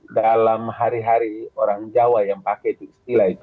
dalam hari hari orang jawa yang pakai itu istilah itu